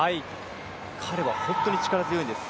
彼は本当に力強いです。